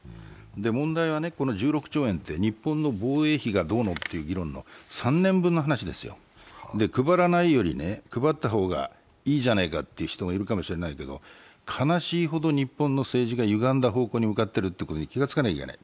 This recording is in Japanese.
問題はこの１６兆円、日本の防衛費がどうのって話の３年分の話で配らないより配った方がいいじゃないかという人もいるかもしれないけれども、悲しいほど日本の政治がゆがんだ方向に向かっていることに気が付かなきゃいけない。